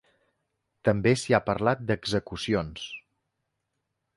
També s'hi ha parlat d'execucions.